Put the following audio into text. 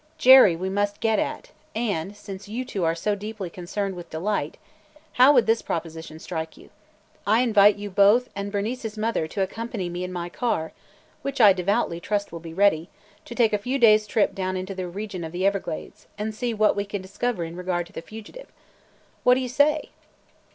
Jerry we must get at and, since you two are so deeply concerned with Delight, how would this proposition strike you? I invite you both and Bernice's mother to accompany me in my car (which I devoutly trust will be ready!) to take a few days' trip down into the region of the Everglades and see what we can discover in regard to the fugitives. What do you say?"